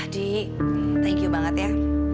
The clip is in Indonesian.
di thank you banget ya